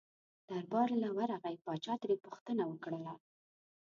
دربار له ورغی پاچا ترې پوښتنه وکړله.